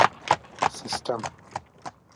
سیسټم